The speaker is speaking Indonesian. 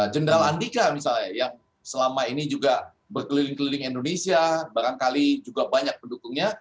jenderal andika misalnya yang selama ini juga berkeliling keliling indonesia barangkali juga banyak pendukungnya